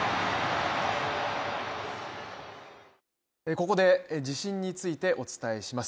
ここで、地震についてお伝えします。